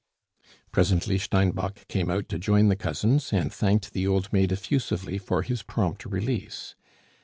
Presently Steinbock came out to join the cousins, and thanked the old maid effusively for his prompt release.